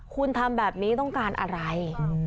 คุณทำแบบนี้ต้องการอะไร